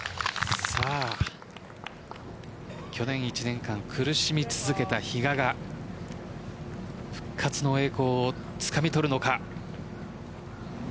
去年１年間苦しみ続けた比嘉が復活の栄光をつかみ取るのか。